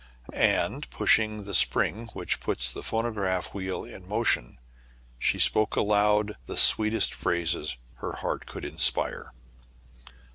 And, pushing the spring which puts the phono graphic wheel in motion, she spoke aloud the sweetest phrases her heart could inspire.